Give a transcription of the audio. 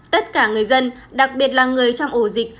tất cả người dân đặc biệt là người trong ổ dịch